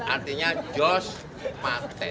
artinya josh paten